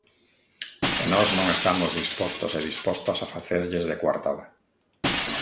E nós non estamos dispostos e dispostas a facerlles de coartada.